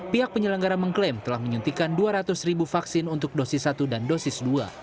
pihak penyelenggara mengklaim telah menyuntikkan dua ratus ribu vaksin untuk dosis satu dan dosis dua